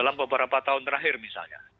dalam beberapa tahun terakhir misalnya